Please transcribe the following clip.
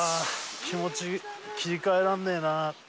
気持ち切り替えらんねえな。